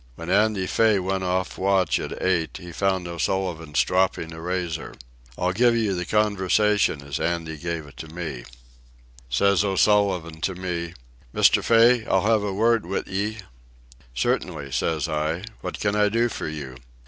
When Andy Fay went off watch at eight he found O'Sullivan stropping a razor. I'll give you the conversation as Andy gave it to me: "'Says O'Sullivan to me, "Mr. Fay, I'll have a word wid yeh?" "Certainly," says I; "what can I do for you?"